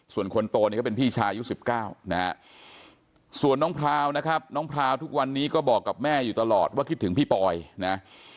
ส่วนคนโตเนี่ยก็เป็นพี่ชายุด๑๙นะฮะส่วนน้องพราวนะครับน้องพราวทุกวันนี้ก็บอกกับแม่อยู่ตลอดว่าคิดถึงพี่ปอยนะ